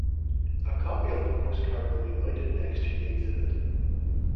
A copy of the postcard will be mounted next to the exhibit.